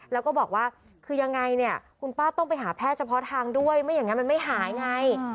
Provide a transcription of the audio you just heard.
แล้วก็บอกว่าคือยังไงเนี่ยคุณป้าต้องไปหาแพทย์เฉพาะทางด้วยไม่อย่างนั้นมันไม่หายไง